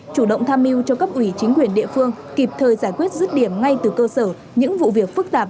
chủ động tham mưu cho cấp ủy chính quyền địa phương kịp thời giải quyết rứt điểm ngay từ cơ sở những vụ việc phức tạp